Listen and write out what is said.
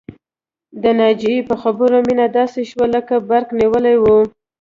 د ناجيې په خبرو مينه داسې شوه لکه برق نيولې وي